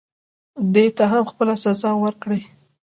دې ته هم خپله سزا ورکړئ.